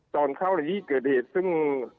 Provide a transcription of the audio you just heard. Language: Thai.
ตอนเข้าในที่เกิดเหตุซึ่ง